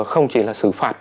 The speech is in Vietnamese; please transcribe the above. không chỉ là xử phạt